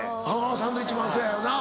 サンドウィッチマンそやよな。